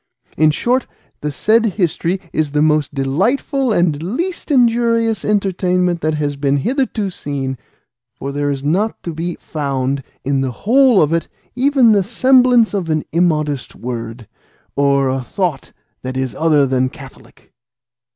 In short, the said history is the most delightful and least injurious entertainment that has been hitherto seen, for there is not to be found in the whole of it even the semblance of an immodest word, or a thought that is other than Catholic."